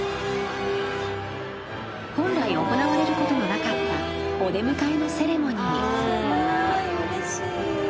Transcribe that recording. ［本来行われることのなかったお出迎えのセレモニー］